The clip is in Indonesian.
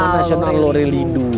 taman nasional lorelidu